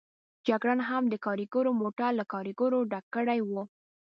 جګړن هم د کاریګرو موټر له کاریګرو ډک کړی و.